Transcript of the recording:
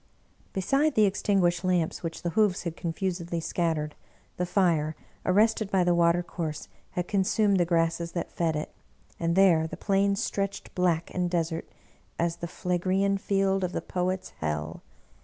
Be side the extinguished lamps which the hoofs had confusedly scattered, the fire, arrested by the water course, had con sumed the grasses that fed it, and there the plains stretched black and desert as the Phlegraean Field of the Poet's Hell.